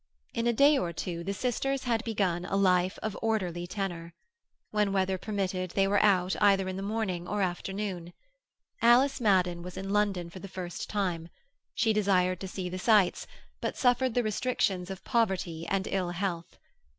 In a day or two the sisters had begun a life of orderly tenor. When weather permitted they were out either in the morning or afternoon. Alice Madden was in London for the first time; she desired to see the sights, but suffered the restrictions of poverty and ill health.